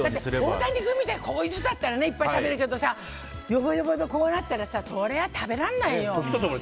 大谷君みたいにこういう人だったらいっぱい食べるけどよぼよぼで、こうなったらそりゃ食べられないよ。